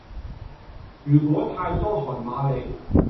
如果太多韓瑪利